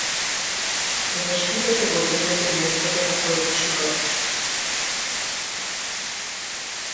Заштитете го времето и местото на кое пишувате.